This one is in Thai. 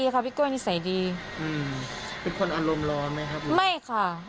ก็ดีมาก